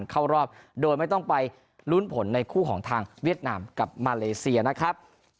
เข้ารอบโดยไม่ต้องไปลุ้นผลในคู่ของทางเวียดนามกับมาเลเซียนะครับ